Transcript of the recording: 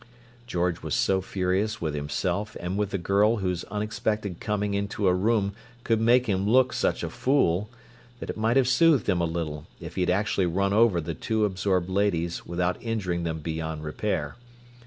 George was so furious with himself and with the girl whose unexpected coming into a room could make him look such a fool, that it might have soothed him a little if he had actually run over the two absorbed ladies without injuring them beyond repair.